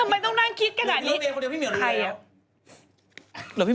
ทำไมต้องนั่งคิดกะแดดนี้